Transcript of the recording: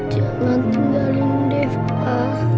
jangan tinggalin deva